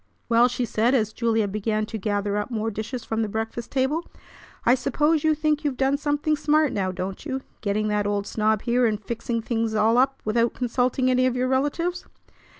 "Well!" she said as Julia began to gather up more dishes from the breakfast table. "I suppose you think you've done something smart now, don't you, getting that old snob here and fixing things all up without consulting any of your relatives?"